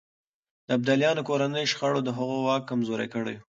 د ابدالیانو کورنۍ شخړې د هغوی واک کمزوری کړی و.